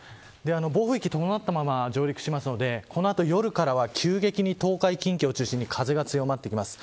暴風域を伴ったまま上陸するのでこの後、夜から急激に東海、近畿を中心に風が強まってきます。